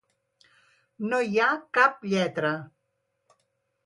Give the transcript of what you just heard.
No hi ha cap lletra.